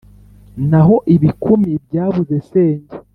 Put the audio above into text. naho ibikumi byabuze senge,